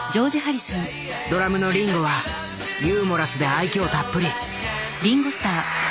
ドラムのリンゴはユーモラスで愛嬌たっぷり。